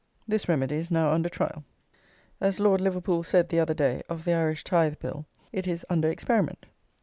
This remedy is now under trial. As Lord Liverpool said, the other day, of the Irish Tithe Bill, it is "under experiment."